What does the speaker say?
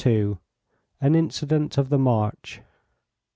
AN INCIDENT OF THE MARCH.